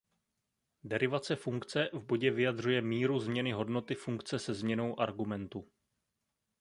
Derivace funkce v bodě vyjadřuje míru změny hodnoty funkce se změnou argumentu.